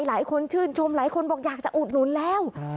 หลายคนชื่นชมหลายคนบอกอยากจะอุดหนุนแล้ว